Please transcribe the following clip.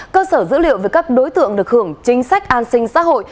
cơ sở dữ liệu về các đối tượng được hưởng chính sách an sinh xã hội